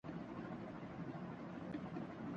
spot fixing تحقیقات خالد لطیف کا خط یکسر مسترد